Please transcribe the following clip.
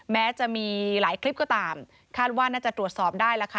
แม้จะมีหลายคลิปก็ตามคาดว่าน่าจะตรวจสอบได้แล้วค่ะ